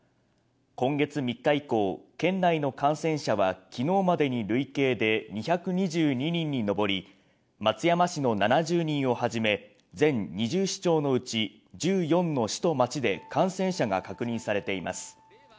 今月３日以降、県内の感染者は昨日までに累計で２２２人に上り、松山市の７０人をはじめ、全２０市町のうち、１４の市と町で感染者が確認されています。